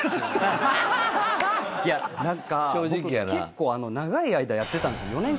いや何か僕結構長い間やってたんですよ。